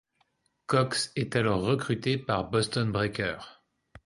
Cox est alors recrutée par Boston Breakers.